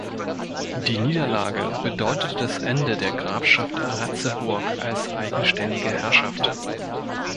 Die Niederlage bedeutete das Ende der Grafschaft Ratzeburg als eigenständige Herrschaft.